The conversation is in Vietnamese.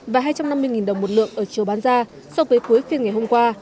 và hai trăm năm mươi đồng một lượng ở chiều bán ra so với cuối phiên ngày hôm qua